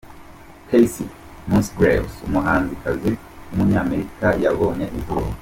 Kacey Musgraves, umuhanzikazi w’umunyamerika yabonye izuba.